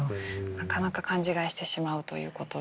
なかなか勘違いしてしまうということで。